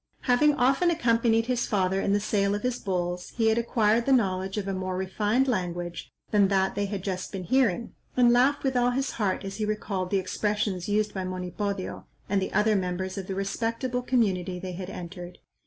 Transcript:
Having often accompanied his father in the sale of his bulls, he had acquired the knowledge of a more refined language than that they had just been hearing, and laughed with all his heart as he recalled the expressions used by Monipodio, and the other members of the respectable community they had entered.